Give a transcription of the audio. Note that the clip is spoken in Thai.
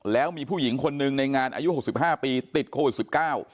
แล้วมีผู้หญิงคนนึงในงานอายุ๖๕ปีติดโควิด๑๙